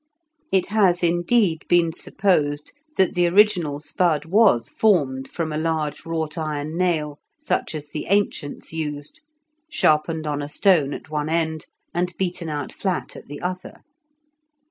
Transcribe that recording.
It has, indeed, been supposed that the original spud was formed from a large wrought iron nail, such as the ancients used, sharpened on a stone at one end, and beaten out flat at the other.